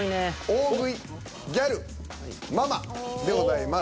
「大食い」「ギャル」「ママ」でございます。